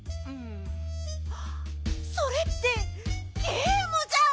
それってゲームじゃん！